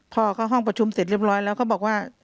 พอเข้าห้องประชุมเสร็จเรียบร้อยแล้วก็บอกว่า